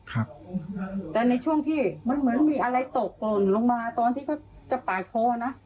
ครับแต่ในช่วงที่มันเหมือนมีอะไรตกหล่นลงมาตอนที่เขาจะปาดคอนะ